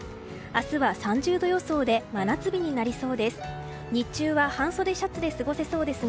明日は３０度予想で真夏日になりそうです。